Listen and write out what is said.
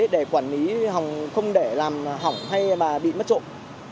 để quản lý hỏng không để làm hỏng hay mà bị mất trộm